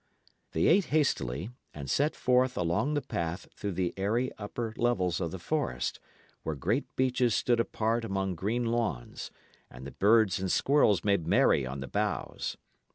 They ate hastily, and set forth along the path through the airy upper levels of the forest, where great beeches stood apart among green lawns, and the birds and squirrels made merry on the boughs.